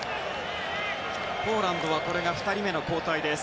ポーランドはこれが２人目の交代です。